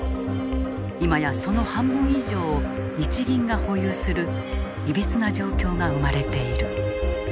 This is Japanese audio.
今やその半分以上を日銀が保有するいびつな状況が生まれている。